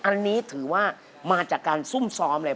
อันนี้ถือว่ามาจากการซุ่มซ้อมเลย